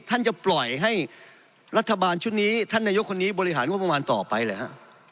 ท่านจะปล่อยให้รัฐบาลชุดนี้ท่านนายกคนนี้บริหารงบประมาณต่อไปหรือฮะ